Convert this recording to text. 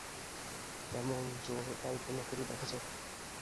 তেমন জোর অল্প লোকেরই দেখা যায়।